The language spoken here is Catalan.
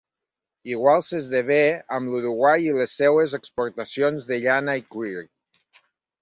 Igual s'esdevé amb l'Uruguai i les seues exportacions de llana i cuir.